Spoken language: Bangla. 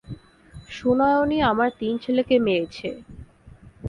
সুনয়নি আমার তিন ছেলেকে মেরেছে।